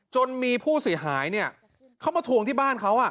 จนมีผู้สีหายเขามาถวงที่บ้านเขา